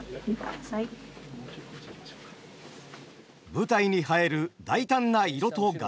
舞台に映える大胆な色と柄。